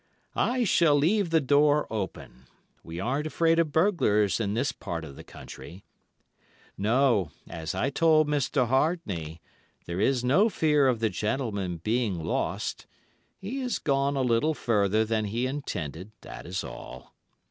I shall leave the door open. We aren't afraid of burglars in this part of the country. No, as I told Mr. Hartney, there is no fear of the gentleman being lost—he has gone a little further than he intended, that is all.